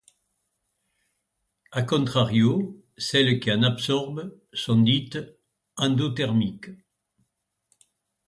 À contrario, celles qui en absorbent, sont dites endothermiques.